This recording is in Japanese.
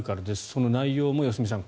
その内容も良純さん